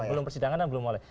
belum persidangan dan belum oleh